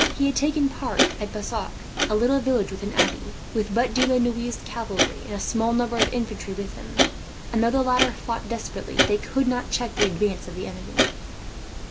He had taken part at Bassac, a little village with an abbey, with but De la Noue's cavalry and a small number of infantry with him; and though the latter fought desperately, they could not check the advance of the enemy.